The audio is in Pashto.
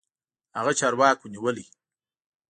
هغه چارواکو نيولى.